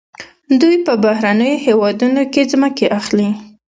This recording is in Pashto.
دوی په بهرنیو هیوادونو کې ځمکې اخلي.